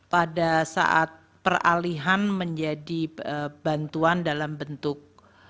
pada saat peralihan menjadi bantuan dalam bentuk